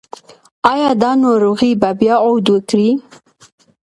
ایا دا ناروغي به بیا عود وکړي؟